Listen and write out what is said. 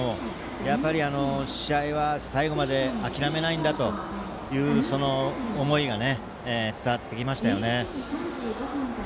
やっぱり、試合は最後まで諦めないんだという思いが伝わってきましたよね。